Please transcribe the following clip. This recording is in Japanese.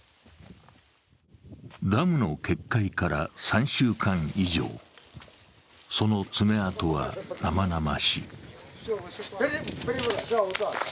ダムの決壊から３週間以上、そのつめ跡は生々しい。